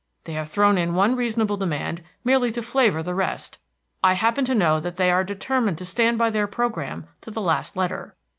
They have thrown in one reasonable demand merely to flavor the rest. I happen to know that they are determined to stand by their programme to the last letter."